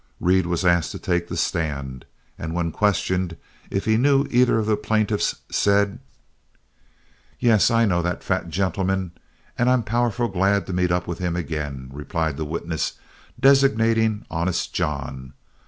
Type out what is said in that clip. Reed was asked to take the stand, and when questioned if he knew either of the plaintiffs, said: "Yes, I know that fat gentleman, and I'm powerful glad to meet up with him again," replied the witness, designating Honest John.